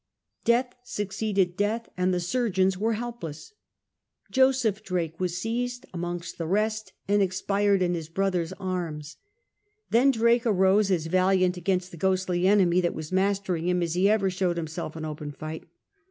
Death succeeded death, and the surgeons were helpless. Joseph Drake was seized amongst the rest, and expired in his brother's arms. Then Drake arose as valiant against the ghostly enemy that was mastering him as he ever showed himself in open fight.